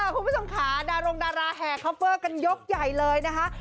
คุณผู้ชมขาารองดาราแห่ครับก็ยกใหญ่เลยนะฮะ